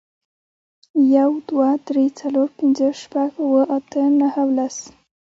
یو، دوه، درې، څلور، پینځه، شپږ، اووه، اته، نهه او لس